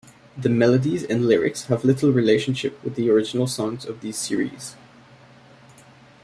The melodies and lyrics have little relationship with the original songs of these series.